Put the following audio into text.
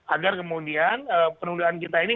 agar kemudian penundaan kita ini